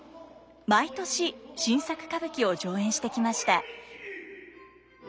毎年新作歌舞伎を上演してきました。